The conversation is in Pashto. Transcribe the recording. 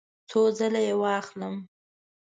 څو ځله یی واخلم؟